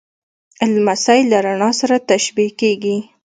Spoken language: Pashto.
لمسی له رڼا سره تشبیه کېږي.